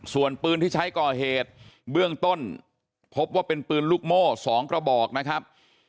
ส่วนปืนที่ใช้ก่อเหตุเบื้องต้นพบว่าเป็นปืนลูกโม่๒กระบอกนะครับ